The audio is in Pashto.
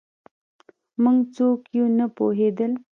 موږ څوک یو نه پوهېدل